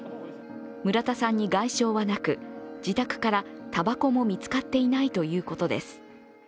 村田さんに外傷はなく、自宅からたばこも見つかっていないということです。